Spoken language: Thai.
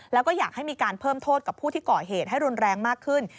แล้วก็อยากให้มีการเพิ่มโทษกับผู้ที่ก่อเหตุให้รุนแรงมากขึ้น